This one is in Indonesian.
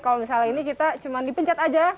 kalau misalnya ini kita cuma dipencat aja